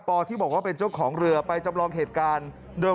ที่บอกว่าเป็นเจ้าของเรือไปจำลองเหตุการณ์